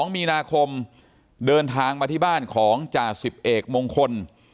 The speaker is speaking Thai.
๒มีนาคมเดินทางมาที่บ้านของจ่าสิบเอกมงคล